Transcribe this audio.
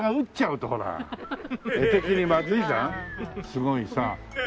すごいさ。